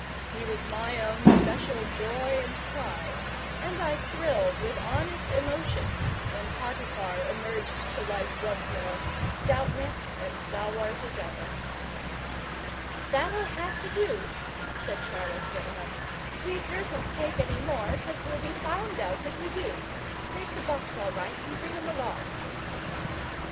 He was my own special joy and pride, and I thrilled with honest emotion when Potiphar emerged to light once more, stout necked and stalwart as ever. "That'll have to do," said Charlotte, getting up. "We dursn't take any more, 'cos we'll be found out if we do. Make the box all right, and bring 'em along."